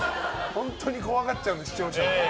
本当に怖がっちゃうんで視聴者の方が。